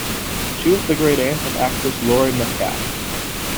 She was the great-aunt of actress Laurie Metcalf.